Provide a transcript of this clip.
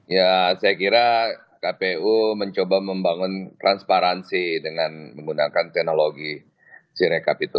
ya saya kira kpu mencoba membangun transparansi dengan menggunakan teknologi sirekap itu